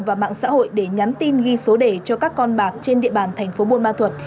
và mạng xã hội để nhắn tin ghi số đề cho các con bạc trên địa bàn thành phố buôn ma thuật